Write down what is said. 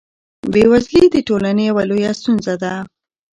بېوزلي د ټولنې یوه لویه ستونزه ده.